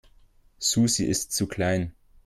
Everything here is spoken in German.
Susi ist zu klein.